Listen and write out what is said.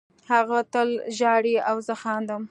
هغه تل ژاړي او زه خاندم